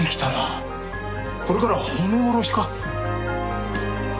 これからは褒め殺しか。